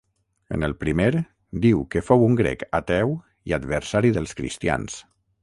En el primer diu que fou un grec ateu i adversari dels cristians.